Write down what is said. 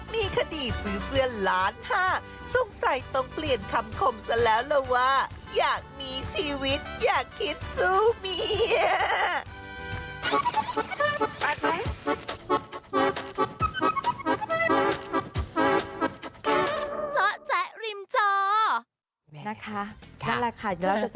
มีคดีซื้อเสื้อล้านห้าสงสัยต้องเปลี่ยนคำคมซะแล้วล่ะว่า